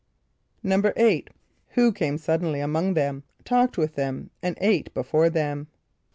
= =8.= Who came suddenly among them, talked with them, and ate before them?